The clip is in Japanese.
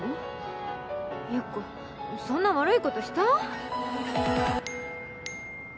ゆっこそんな悪いことしたぁ？